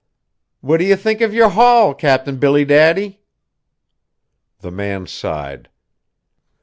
"What do you think of your haul, Cap'n Billy Daddy?" The man sighed.